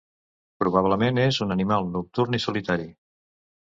Probablement és un animal nocturn i solitari.